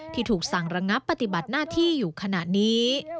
ที่ถูกสั่งระงับปฏิบัติหน้าที่อยู่ขณะนี้